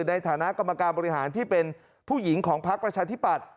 ในฐานะกรรมการบริหารที่เป็นผู้หญิงของพักประชาธิปัตย